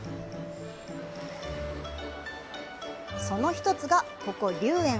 その一つがここ「留園」。